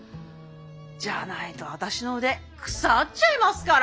じゃないと私の腕腐っちゃいますから。